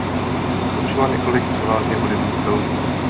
Natočila několik převážně hudebních filmů.